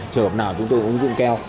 trường hợp nào chúng tôi cũng dùng keo